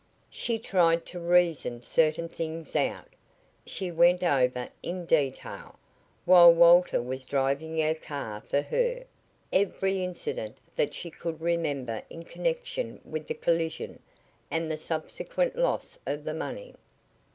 She tried to reason certain things out. She went over in detail, while Walter was driving her car for her, every incident that she could remember in connection with the collision and the subsequent loss of the money.